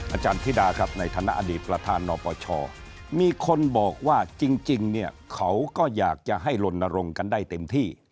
อาจารย์ธิดาครับในฐานะอดีตประธานนปชมีคนบอกว่าจริงเนี่ยเขาก็อยากจะให้ลนรงค์กันได้เต็มที่